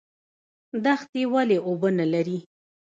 دښتې ولې اوبه نلري؟